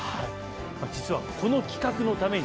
実はこの企画のためにですね